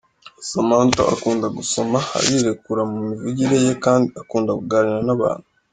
Samantha akunda gusoma, arirekura mu mivugire ye kandi akunda kuganira n’abantu.